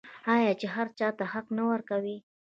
آیا چې هر چا ته حق نه ورکوي؟